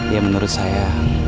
ya menurut saya